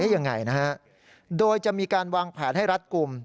ยังไงนะฮะโดยจะมีการวางแผนให้รัฐกลุ่ม